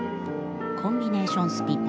コンビネーションスピンです。